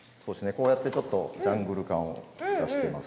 こうやってちょっとジャングル感を出しています。